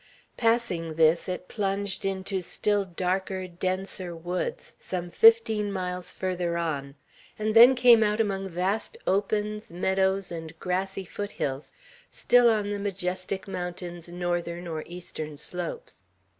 Passing this, it plunged into still darker, denser woods, some fifteen miles farther on, and then came out among vast opens, meadows, and grassy foot hills, still on the majestic mountain's northern or eastern slopes.